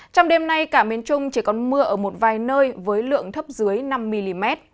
trong đêm nay cả miền trung chỉ còn mưa ở một vài nơi với lượng thấp dưới năm mm